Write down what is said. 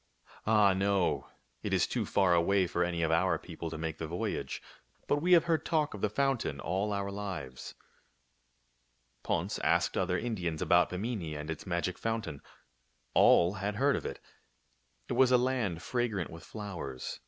Ah, no. It is too far away for any of our peo ple to make the voyage. But we have heard talk of the fountain all our lives." Ponce asked other Indians about Bimini and its magic fountain. All had heard of it. It was a land fragrant with flowers.